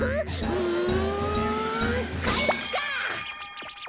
うんかいか！